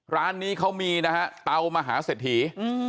ร้านนี้เขามีนะฮะเตามหาเศรษฐี